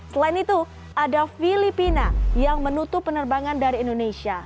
selain itu ada filipina yang menutup penerbangan dari indonesia